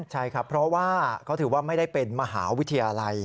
ใช่ครับเพราะว่าเขาถือว่าไม่ได้เป็นมหาวิทยาลัย